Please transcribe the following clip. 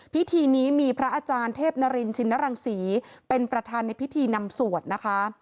พิธีนี้มีพระอาจารย์เทพนรินชินรังศรีเป็นประธานในพิธีนำสวดนะคะ